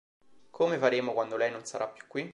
Come faremo quando lei non sarà più qui?